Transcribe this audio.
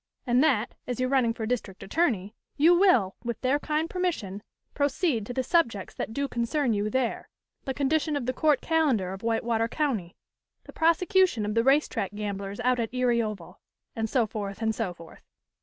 And that, as you're running for district attorney, you will, with their kind permission, proceed to the subjects that do concern you there the condition of the court calendar of Whitewater County, the prosecution of the racetrack gamblers out at Erie Oval, and so forth, and so forth.